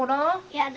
やだ。